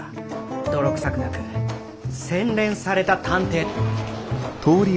泥臭くなく洗練された探偵。